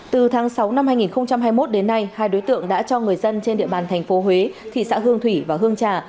từ tháng sáu năm hai nghìn hai mươi một đến nay hai đối tượng đã cho người dân trên địa bàn thành phố huế thị xã hương thủy và hương trà